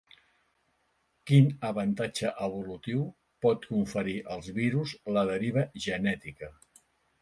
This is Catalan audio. Quin avantatge evolutiu pot conferir als virus la deriva genètica?